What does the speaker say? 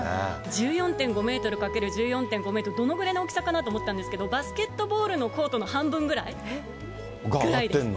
１４．５メートル×１４．５メートル、どのぐらいの大きさかなと思ったんですが、バスケットボールのコートの半分ぐらい。が揚がってるの？